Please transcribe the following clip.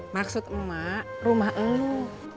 maksud emak rumah enu